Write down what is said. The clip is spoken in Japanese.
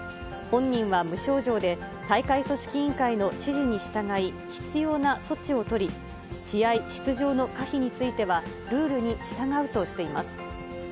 本人は無症状で、大会組織委員会の指示に従い、必要な措置を取り、試合出場の可否については、ルールに従うとしています。